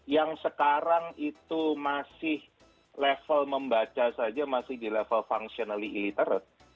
yang sekarang itu masih level membaca saja masih di level functionally illiterate